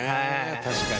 確かに。